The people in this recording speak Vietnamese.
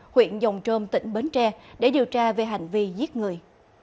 huyện dòng trôm tỉnh bến tre để điều tra về hành vi giết người